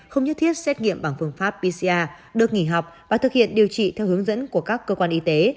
không nhất thiết xét nghiệm bằng phương pháp pcr được nghỉ học và thực hiện điều trị theo hướng dẫn của các cơ quan y tế